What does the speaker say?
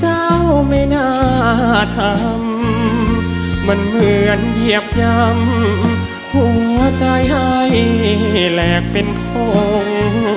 เจ้าไม่น่าทำมันเหมือนเหยียบยำหัวใจให้แหลกเป็นคง